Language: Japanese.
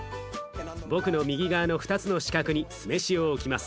僕の右側の２つの四角に酢飯を置きます。